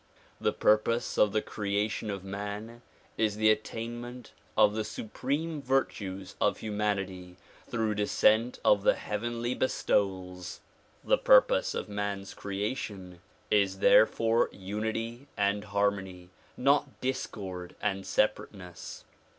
The purpose of the creation of man is the attainment of the supreme virtues of humanity through descent of the heavenly bestowals. The purpose of man's creation is therefore unity and harmony, not discord and separateness.